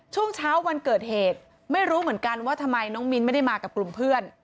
ช่วงเช้าวันเกิดเหตุไม่รู้เหมือนกันว่าทำไมน้องมิ้นไม่ได้มากับกลุ่มเพื่อน